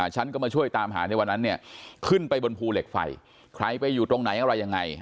ฉันก็มาช่วยตามหาในวันนั้นเนี่ยขึ้นไปบนภูเหล็กไฟใครไปอยู่ตรงไหนอะไรยังไง